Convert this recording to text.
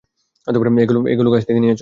এগুলো গাছ থেকে নিয়েছ?